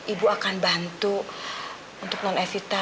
ibu akan bantu untuk non evita